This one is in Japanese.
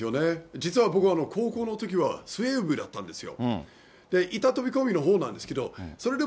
実は僕、高校のときは水泳部だったんですよ。